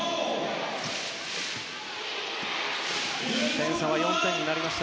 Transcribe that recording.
点差は４点になりました。